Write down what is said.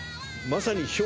まさに。